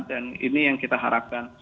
dan ini yang kita harapkan